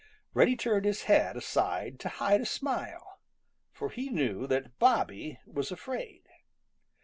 Reddy turned his head aside to hide a smile, for he knew that Bobby was afraid.